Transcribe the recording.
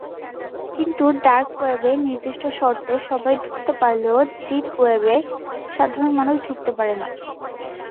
কিন্তু ডার্ক ওয়েবে নির্দিষ্ট শর্তে সবাই ঢুকতে পারলেও, "ডিপ ওয়েব"-এ সাধারণ মানুষ ঢুকতে পারে না।